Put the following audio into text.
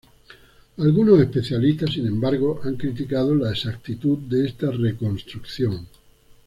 Algunos especialistas, sin embargo, han criticado la exactitud de esta reconstrucción.